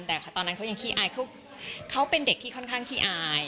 แต่ตอนนั้นเขายังขี้อายเขาเป็นเด็กที่ค่อนข้างขี้อาย